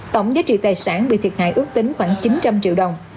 tổng giá trị tài sản bị thiệt hại ước tính khoảng chín trăm linh triệu đồng